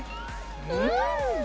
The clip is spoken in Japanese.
うん！